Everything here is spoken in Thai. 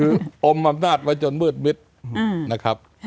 คืออมอำนาจไว้จนมืดมิดนะครับ